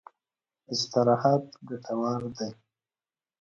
استراحت ګټور دی.